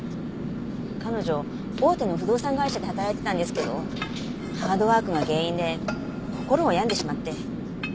彼女大手の不動産会社で働いてたんですけどハードワークが原因で心を病んでしまって。